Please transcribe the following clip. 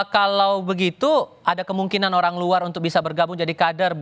kalau begitu ada kemungkinan orang luar untuk bisa bergabung jadi kader